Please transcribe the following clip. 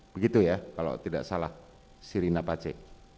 begitu ya kalau tidak salah sirina pace